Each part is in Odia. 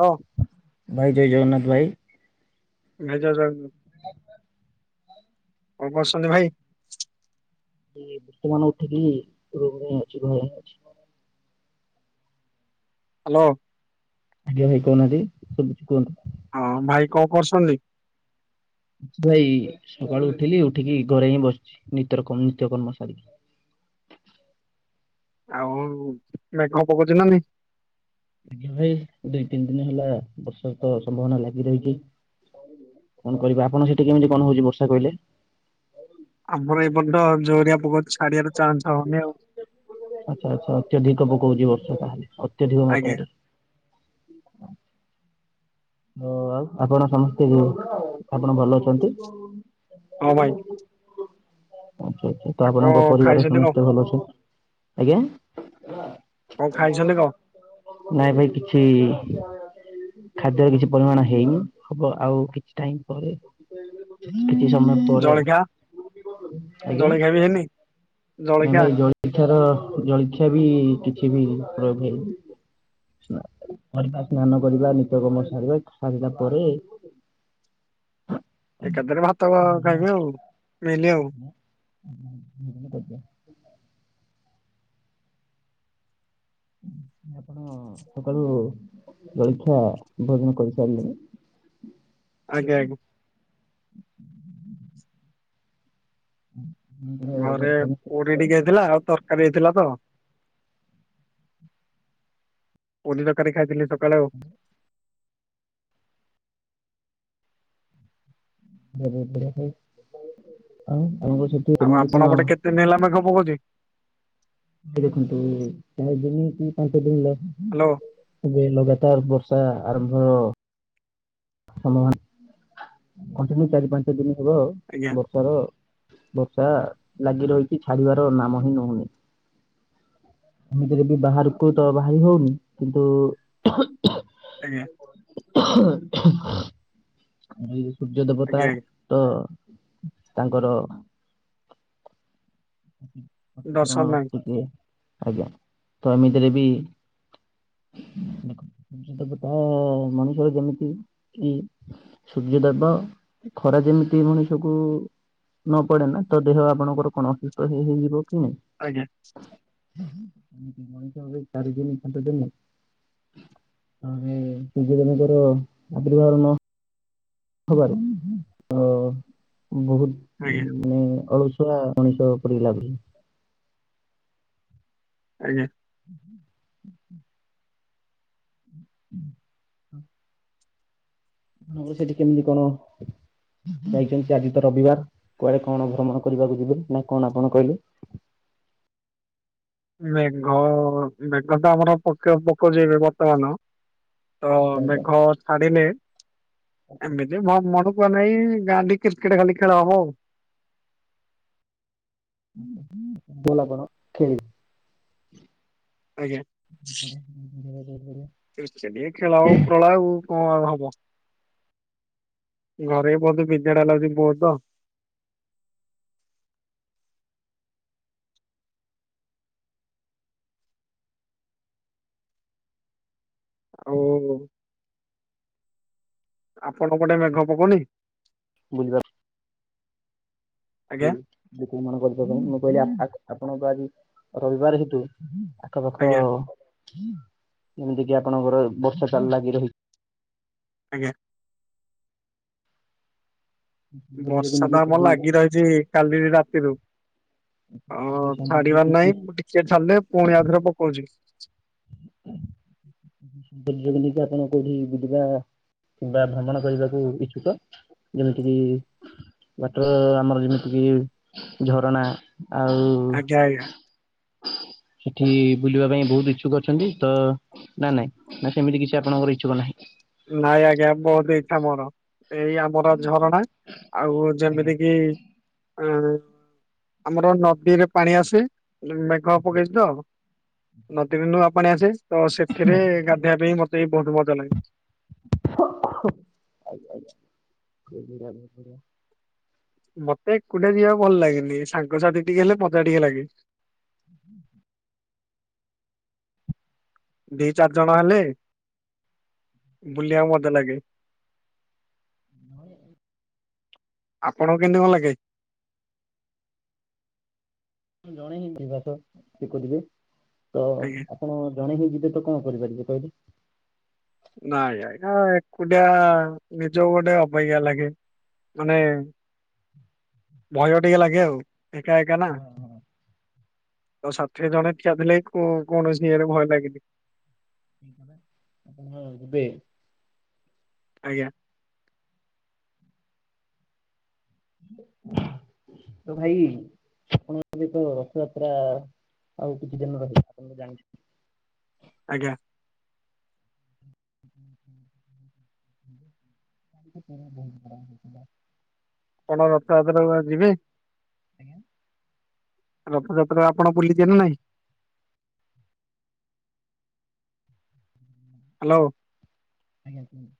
ହଉ। ଭାଇ ଜୟ ଜଗନ୍ନାଥ ଭାଇ। ଭାଇ ଜୟ ଜଗ କଣ କରୁସନ୍ତି ଭାଇ। ବର୍ତମାନ ଉଠିକିରି ରୁମ୍ ରେ ଅଛି ଘରେ ଅଛି। ହ୍ୟାଲୋ। ଆଜ୍ଞା ଭାଇ କହୁନାହାନ୍ତି ସୁବୁଚି କୁହନ୍ତୁ। ହଁ ଭାଇ କଣ କରୁସନ୍ତି? ମୁଁ ତ ହେଇ ସକାଳୁ ଉଠିଲି ଉଠିକି ଘରେ ହିଁ ବସିଛି ନିତ୍ୟର ନିତ୍ୟ କର୍ମ ସାରିକି। ଆଉ ମେଘ ପକଉଚି ନା ନାଇଁ? ଆଜ୍ଞା ଭାଇ ଦୁଇ ତିନି ଦିନ ହେଲା ବର୍ଷା ତ ସମ୍ଭାବନା ଲାଗି ରହିଛି। [unintelligible] କଣ କରିବା ଆପଣ ସେଠି କେମିତି କଣ ହଉଛି ବର୍ଷା କହିଲେ। ଆମର ଏପଟେ ତ ଜୋରିଆ ପକଉଛି ଛାଡିବାର ଚାନ୍ସ ହଉନି ଆଉ। ଆଚ୍ଛା ଆଚ୍ଛା ଅତ୍ୟଧିକ ପକଉଛି ବର୍ଷା ତାହେଲେ ଅତ୍ୟଧିକ ଆଜ୍ଞା ମାତ୍ରାରେ। ହଁ, ଆପଣ ସମସ୍ତେ ଯୋଉ, ଆପଣ ଭଲ ଅଛନ୍ତି? ହଁ ଭାଇ। ଆଛା ଆଛା ତ ଆଉ କଣ ଆପଣଙ୍କ ପରିବାର ଖାଇଛନ୍ତି କଣ ସମସ୍ତେ ଭଲ ଅଛନ୍ତି? ଆଜ୍ଞା। କଣ ଖାଇଛନ୍ତି କଣ? ନାଇଁ ଭାଇ କିଛି ଇ ଖାଦ୍ୟ କିଛି ପରିମାଣ ହେଇନି ହବ ଆଉ କିଛି ଟାଇମ୍ ପରେ କିଛି ସମୟ ପରେ ଆଉ, ଜଳଖିଆ? ଆଜ୍ଞା! ଜଳଖିଆ ହେଇନି। ନା ଜଳଖିଆ ଭାଇ, ଜଳଖିଆ ର ଜଳଖିଆ ବି, କିଛି ବି ପ୍ରୟୋଗ ହେଇନି। କରିବା, ସ୍ନାନ କରିବା, ନିିତ୍ୟ କର୍ମ ସାରିବା, ସାରିଲା ପରେ, ଏକାଥରେ ଭାତ ଖାଇବେ ଆଉ, ମିଲି ଆଉ। ପ [inaudible] ଆପଣ ସକାଳୁ ଜଳିଖିଆ, ଭୋଜନ କରିସାରିଲେଣି। ଆଜ୍ଞା ଆଜ୍ଞା। ଘରେ ସମସ୍ତେ ସୁସ୍ଥ? ପୁରି ଟିକେ ହେଇଥିଲା, ଆଉ ତରକାରୀ ହେଇଥିଲା ତ। ପୁରି, ତରକାରୀ ଖାଇଥିଲି ସକାଳେ ଆଉ। [unintelligible] ଆଉ, କଣ ଆପଣ ପଟେ କେତେ ଦିନ ହେଲା ମେଘ ପକଉଚି? ଦେଖନ୍ତୁ, ଚାରି ଦିନ କି ପାଞ୍ଚ ଦିନ ହେଲା। ହ୍ୟାଲୋ। ଏଇ ଲଗାତାର ବର୍ଷା ଆରମ୍ଭ, ସମ କଣ୍ଟିନ୍ୟୁ, ଚାରି ପାଞ୍ଚ ଦିନ ହବ ଆଉ, ଆଜ୍ଞା। ବର୍ଷାର, ବର୍ଷା ଲାଗି ରହିଛି, ଛାଡିବାର ନାମ ହିଁ ନଉନି। ଏମିତିରେ ବି ବାହାରକୁ ତ ବାହାରି ହଉନି, କିନ୍ତୁ ଉ ଆଜ୍ଞା। [inaudible] ଏ ସୂର୍ଯ୍ୟ ଦେବତା ଆଜ୍ଞା ଆଜ୍ଞା ତ ତାଙ୍କର ଦର୍ଶନ କିରଣ ନାହିଁ ଟିକେ, ଆଜ୍ଞା। ତ ଏମିତିରେ ବି [inaudible] ତ ମଣିଷର ଯେମିତି ଏଇ ସୂର୍ଯ୍ୟଦେବ ଖରା ଯେମିତି ମଣିଷକୁ ନ ପଡେ ନା, ତ ଦେହ ଆପଣଙ୍କର କଣ ଅସୁସ୍ଥ ହେଇ ହେଇ ଯିବ କି ନାଇଁ। ଆଜ୍ଞା। ମଣିଷ ଏବେ ଚାରି ଦିନି, ପାଞ୍ଚ ଦିନି [unintelligible] ସୂର୍ଯ୍ୟ ଦେବଙ୍କର ଆବିର୍ଭାବ ନ ହେବାରୁ ଅ ବହୁତ ଆଜ୍ଞା। ଅ ଅଳସୁଆ [unintelligible] ମଣିଷ ପରି ଲାଗୁଚି। ଆଜ୍ଞା। [inaudible] [unintelligible] ମୁଁ କହିଲି ସେଠି କେମିତି କଣ ଯାଇଛନ୍ତି ଆଜି ତ ରବିବାର କୁଆଡେ କଣ ଭ୍ରମଣ କରିବାକୁ ଯିବେ ନା କଣ ଆପଣ କହିଲେ।। ମେଘ, ମେଘ ତ ଆମର ପକ ପକଉଚି ଏବେ ବର୍ତ୍ତମାନ। ତ ମେଘ ଛାଡିନି। ଏମିତି [unintelligible] ଗାଁ ଠି କ୍ରିକେଟ ଖାଲି ଖେଳ ହବ ଆଉ। [unintelligible] ଖେଳି। ଆଜ୍ଞା। କ୍ରିକେଟ ଟିକେ ଖେଳ ହେବ ଉପରଓଳା ଆଉ। କଣ ଆଉ ହବ? ଘରେ ବି ବହୁତ ବିଦାଡିଆ ଲାଗୁଚି ବହୁତ। ଆଉ ଆପଣଙ୍କ ପଟେ ମେଘ ପକଉନି? ବୁଝିବା ଆଜ୍ଞା? [unintelligible] ମୁଁ କହିଲି, ଆପଣଙ୍କର ଆଜି ରବିବାର ହେତୁ ଆଖ ପାଖ ଆଜ୍ଞା ଯେମିତି କିି ଆପଣଙ୍କର ବର୍ଷା। [unintelligible] ଆଜ୍ଞା। ସୌନ୍ଦର୍ଯ୍ୟକୁ ବର୍ଷା ନେଇକି ତ ଆମର ଲାଗି କୋଉଠି ରହିଛି କାଲି ରାତିରୁ। ଅ ସୌନ୍ଦର୍ଯ୍ୟକୁ ଛାଡିବାର ନେଇକି ନାହିଁ। ଟିକେ ଛାଡ଼ିଲେ ପୁଣି ଆଉଥରେ ପକଉଚି। [unintelligible] ଆପଣ କୋଉଠି ବୁଲିବା କିମ୍ବା ଭ୍ରମଣ କରିବାକୁ ଇଚ୍ଛୁକ। ଯେମିତି କିି ୱାଟର ଆମର ଯେମିତି କିି ଝରଣା ଆଉ ଆଜ୍ଞା ଆଜ୍ଞା ସେଠି ବୁଲିବା ପାଇଁ ବହୁତ ଇଛୁକ ଅଛନ୍ତି। ତ ନା ନାଇଁ? ନା ସେମିତି କିଛି ଆପଣଙ୍କର ଇଚ୍ଛୁକ ନାହିଁ? ନାଇଁ ଆଜ୍ଞା ବହୁତ ଇଚ୍ଛା ମୋର। ଏଇ ଆମର ଝରଣା ଆଉ ଯେମିତି କିି ଆଁ ଆମର ନଦୀରେ ପାଣି ଆସେ। ମେଘ ପକେଇଚି ତ ନଦୀ ରୁ ନୂଆ ପାଣି ଆସେ। ତ ସେଥିରେ ଗାଧେଇବା ପାଇଁ ବି ମତେ ବହୁତ ମଜା ଲାଗେ। [unintelligible] [unintelligible] [unintelligible] ମତେ ଏକୁଟିଆ ଯିବାକୁ ଭଲ ଲାଗେନି। ସାଙ୍ଗସାଥି ଟିକେ ହେଲେ ମଜା ଟିକେ ଲାଗେ। [inaudible] ଦି ଚାରି ଜଣ ହେଲେ ବୁଲିବାକୁ ମଜା ଲାଗେ। ଆପଣଙ୍କୁ କେମତି ଭଲ ଲାଗେ? ଜଣେ ହିଁ ବିବାସ ଶିଖୁଥିବେ। ତ ଆଜ୍ଞା? ଆପଣ ଜଣେ ହେଇଯିବେ ତ କଣ କରିପାରିବେ କହିଲେ? ନାଇଁ ଆଜ୍ଞା ଏକୁଟିଆ ନିଜକୁ ଗୋଟେ ଅବାଗିଆ ଲାଗେ। ମାନେ ଭୟ ଟିକେ ଲାଗେ ଆଉ। ଏକା ଏକା ନା। ହଁ ହଁ ଆଉ ସାଥିରେ ଜଣେ ଠିଆ ଥିଲେ। କୋ କୌଣସି ଇଏରେ ଭୟ ଲାଗେନି। [unintelligible] ଆପଣ ହ ଯିବେ। ଆଜ୍ଞା। ତ ଭାଇ ଆପଣଙ୍କ ତ ରଥଯାତ୍ରା ଆଉ କିଛି ଦିନ ରହିବ। ଆପଣ ତ ଜାଣିଛ ଆଜ୍ଞା। [unintelligible] ଆପଣ ରଥଯାତ୍ରା କୁ ଆ ଯିବି। ରଥଯାତ୍ରା ଆପଣ ବୁଲିଚନା ନାଇଁ? ହ୍ୟାଲୋ। ଆଜ୍ଞା କୁହନ୍ତୁ।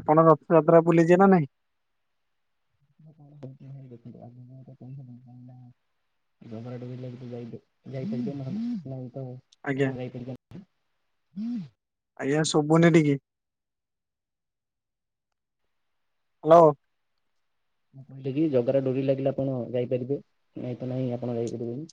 ଆପଣ ରଥଯାତ୍ରା ବୁଲିଯିଏ ନା ନାହିଁ? [unintelligible] [unintelligible] ଆପଣ ଆଜ୍ଞା ଯାଇଥିଲେ। ଆଜ୍ଞା ଶୁଭୁନି ଟିକେ। ହ୍ୟାଲୋ। ମୁଁ କହିଲି କି ଜଗାର ଡୋରି ଲାଗିଲା ଆପଣ ଯାଇପାରିବେ। ନାଇଁ ତ ନାହିଁ ଆପଣ ଯାଇପାରିବେନି।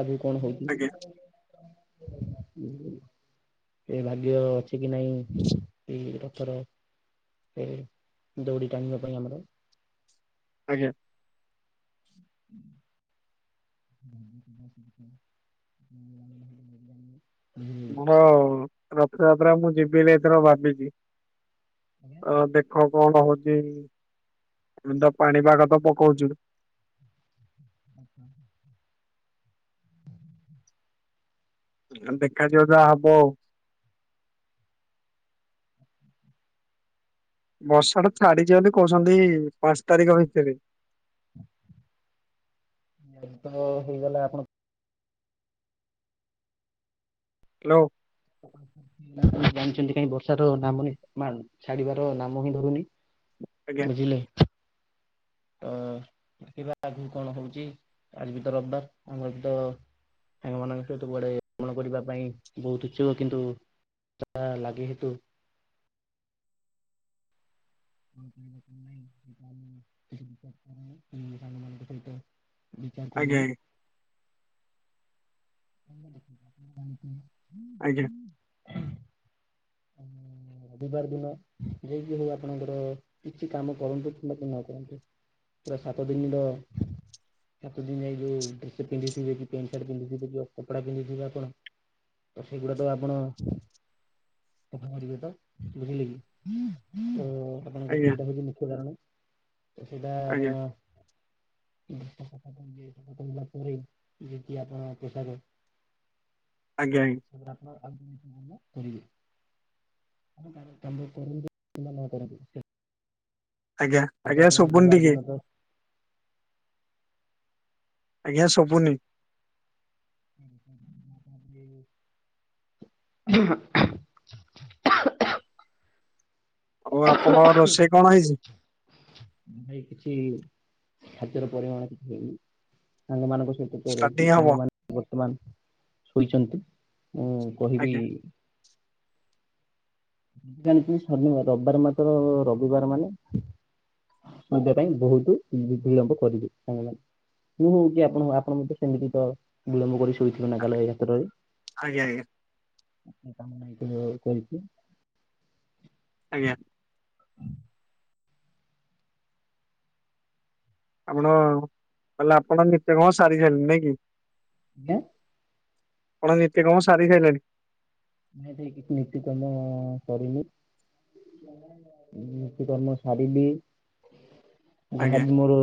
ଆଜି କଣ ହେଇଚି? ଆଜ୍ଞା ଉଁ ହୁଁ। ଏ ଭାଗ୍ୟ ଅଛି କି ନାଇଁ ଏ ରଥର। ସେ ଦୌଡି ଟାଣିବା ପାଇଁ ଆମର। ଆଜ୍ଞା। ହୁଁ। [unintelligible] ଆମର ରଥଯାତ୍ରା ମୁଁ ଯିବିନି ଏଥର ଭାବିଛି। ଅ ଦେଖ କଣ ହଉଛି ଏମ ତ ପାଣିପାଗ ତ ପକଉଛୁୁ। ଉଁ ହୁଁ। ଦେଖାଯିବ ଯାହା ହବ ଆଉ। ବର୍ଷା ଟା ଛାଡିଯିବ ବୋଲି କହୁଛନ୍ତି ପାଞ୍ଚ ତାରିଖ ଭିତରେ। ତ ହେଇଗଲା ଆପଣ ହ୍ୟାଲୋ। ଜାଣିଛନ୍ତି କାଇଁ ବର୍ଷାର ନାମନିଶମ ଛାଡିବାର ନାମ ହିଁ ଧରୁନି। ଆଜ୍ଞା ବୁଝିଲେ। ତ ଦେଖିବା ଆଗକୁ କଣ ହଉଛି ଆଜି ବି ତ ରବିବାର। ଆଗକୁ ତ ସାଙ୍ଗମାନଙ୍କ ସହିତ କୁଆଡେ ଭ୍ରମଣ କରିବା ପାଇଁ ବହୁତ ଇଛୁକ। କିନ୍ତୁ ତା ଲାଗି ହେତୁ [unintelligible] ବିଚାର ଆଜ୍ଞା କରିବୁ। [unintelligible] ଆଜ୍ଞା। ରବିବାର ଦିନ ଯିଏକି ହଉ ଆପଣଙ୍କର କିଛି କାମ କରନ୍ତୁ କିବା ନ କରନ୍ତୁ। ପୁରା ସାତଦିନିର ସାତ ଦିନ ଏ ଯୋଉ ଡ୍ରେସ୍ ପିନ୍ଧି ଥିବେ କି ପେଣ୍ଟ୍ ସାର୍ଟ ପିନ୍ଧିଥିବେ ଯଉ କପଡା ପିନ୍ଧିଥିବେ ଆପଣ। ତ ସେଇଗୁଡା ତ ଆପଣ [unintelligible] ବୁଝିଲେ କି। ତ ଆପଣଙ୍କ ଆଜ୍ଞା ଆଜ୍ଞା ସେଇଟା ହେଉଛି ମୁଖ୍ୟ କାରଣ, ସେଇଟା ଆଜ୍ଞା ଆଜ୍ଞା ଆପଣ [inaudible] ପରେ ଯଦି ଆପଣ ପୋଷାକ ଆଜ୍ଞା, ଆପଣ ଆଉ [inaudible] କରିବେ। [inaudible] ଆଜ୍ଞା ସେଟାକୁ ଆଜ୍ଞା ଆପଣ ଶୁଭୁନି ରବିବାର ଦିନ ଟିକେ। ତ ଆଜ୍ଞା ଶୁଭୁନି। [inaudible] ଆଉ ଆପଣଙ୍କ ର ରୋଷେଇ କଣ ହେଇଛି? ଭାଇ କିଛି ଖାଦ୍ୟର ପରିମାଣ କିଛି ହେଇନି। ସାଙ୍ଗ ମାନଙ୍କ ସହିତ ରହିଛି ଷ୍ଟାର୍ଟିଂ ହବ ସାଙ୍ଗମାନେ ବର୍ତ୍ତମାନ ଶୋଇଛନ୍ତି ମୁଁ କହିବି ଆଜ୍ଞା ଜାଣିଥିଲ ଶନିବାର ରବିବାର ମାତ୍ର ରବିବାର ମାନେ ମୁଁ ଦେବା ପାଇଁ ବହୁତ ବିଳମ୍ବ କରିବି ସାଙ୍ଗମାନେ ମୁଁ ହଉକି ଆପଣ ହଉ ଆପଣ ମତେ ସେମିତି ତ ବିଳମ୍ବ କରି ଶୋଇଥିଲେ ନାଗାଳୟ କ୍ଷେତ୍ରରେ। ଆଜ୍ଞା ଆଜ୍ଞା, ଆ କାମ ଏଇ କରଛି, ଆଜ୍ଞା, [unintelligible] ଆପଣ ତାହାଲେ ଆପଣ ନିତ୍ୟ କର୍ମ ସାରି ସାରିଲେଣି ନାଇଁ କି। ଆଜ୍ଞା, ଆପଣ ନିତ୍ୟ କର୍ମ ସାରି ସାରିଲେଣି? ନାଇଁ ଭାଇ କିଛି ନିତ୍ୟ କର୍ମ-ଅ-ଅ-ଅ କରିନି। ମୁଁ ନିତ୍ୟ କର୍ମ ସାରିଲି ଆଜ୍ଞା ଯାହାବି ମୋର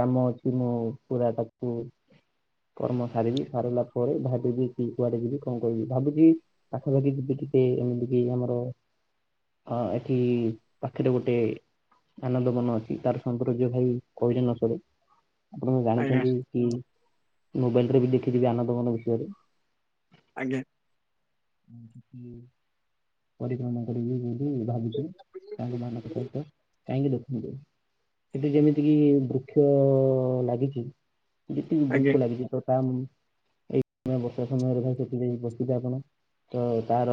କାମ ଅଛି ମୁଁ ପୁରା ତାକୁ କର୍ମ ସାରିବି ସାରିଲା ପରେ ଭାବିବି କି କୁଆଡେ ଯିବି କଣ କରିବି ଭାବିବି ପାଖାପାଖି ଯିବେ ଟିକେ ଏମିତି କିି ଆମର ହଁ ଏଠି-ଇ-ଇ ପାଖରେ ଗୋଟେ ଆନନ୍ଦ ବନ ଅଛି ତାର ସୌନ୍ଦର୍ଯ୍ୟ ଭାଇ କହିଲେ ନ ସରେ। ଆପଣ ଆଜ୍ଞା ଜାଣିଛନ୍ତି କି ମୋବାଇଲ ରେ ବି ଦେଖିଥିବେ ଆନନ୍ଦବନ ବିଷୟରେ। ଆଜ୍ଞା, [inaudible] ପରିକ୍ରମା କରିବି ବୋଲି ଭାବିଛି ସାଙ୍ଗ ମାନଙ୍କ ସହିତ। କାହିଁକି ଦେଖନ୍ତୁ ସେଠି ଯେମିତି କିି ବୃକ୍ଷ-ଅ-ଅ-ଅ ଲାଗିଚି ଯେତିକି ଆଜ୍ଞା ବୃକ୍ଷ ଲାଗିଛି ତ ତା ମୁଁ ଏଇନା ସମୟରେ ଭାଈ ସେଠି ଯାଇ ବସିିବେ ଆପଣ ତ ତାର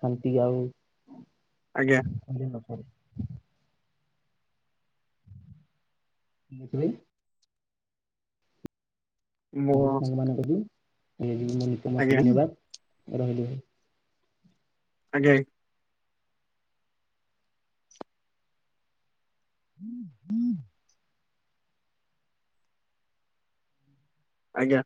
ଖାନ୍ତି ଆଉ ଆଜ୍ଞା, ଭୁଲି ନ ସରେ, [unintelligible] ମୋ କାଲି ସାଙ୍ଗ ମାନେ ଦେବି ଏ [inaudible] କାମ ଆଜ୍ଞା ସରିଗଲା ରହିଲି ଭାଈ। ଆଜ୍ଞା ଆ ହୁଁ ହୁଁ ଆଜ୍ଞା,